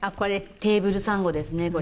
テーブルサンゴですねこれ。